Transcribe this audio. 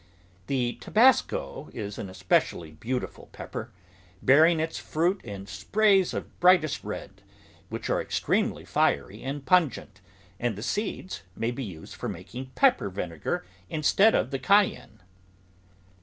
The Tabasco is an especially beautiful pepper, bearing its fruit in sprays of brightest red, which are extremely fiery and pungent, and the seeds may be used for making pepper vinegar instead of the cayenne.